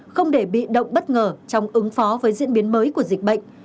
không để bị động bất ngờ trong ứng phó với diễn biến mới của dịch bệnh